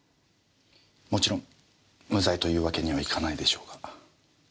もちろん無罪というわけにはいかないでしょうが。